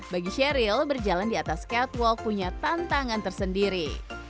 bagi sheryl berjalan di atas catwalk punya tantangan tersendiri